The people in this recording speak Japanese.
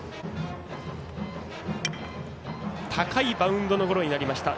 高いバウンドのゴロになりました。